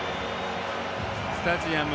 スタジアム